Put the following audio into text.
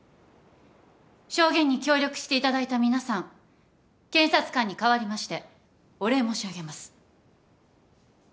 証言に協力していただいた皆さん検察官に代わりましてお礼申し上げます。